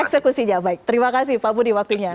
eksekusinya baik terima kasih pak budi waktunya